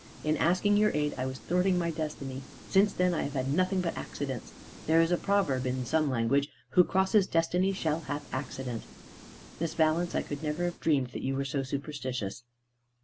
In asking your aid I was thwarting my destiny. Since then I have had nothing but accidents. There is a proverb in some language, 'Who crosses destiny shall have accident.'" "Miss Valence, I could never have dreamed that you were so superstitious."